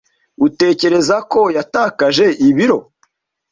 Utekereza ko yatakaje ibiro?